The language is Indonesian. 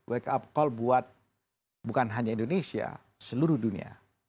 wake up call buat bukan hanya indonesia seluruh dunia